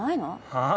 はあ？